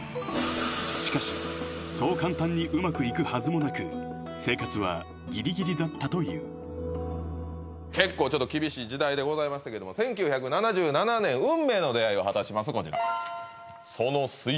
しかしそう簡単にうまくいくはずもなく生活はギリギリだったという結構ちょっと厳しい時代でございましたけども１９７７年運命の出会いを果たします